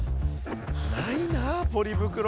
ないなあポリ袋。